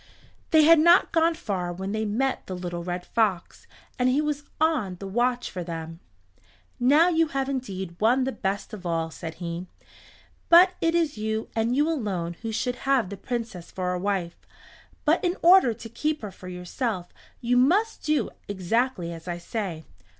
They had not gone far when they met the little red fox, and he was on the watch for them. "Now you have indeed won the best of all," said he. "But it is you and you alone who should have the Princess for a wife. But in order to keep her for yourself you must do exactly as I say.